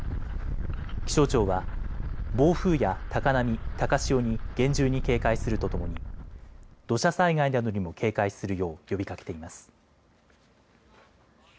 気象庁は暴風や高波、高潮に厳重に警戒するとともに土砂災害などにも警戒するよう呼びかけています。